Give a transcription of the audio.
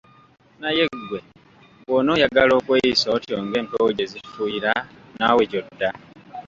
Naye ggwe bw'onooyagala okweyisa otyo ng'empewo gye zifuuyira naawe gy'odda.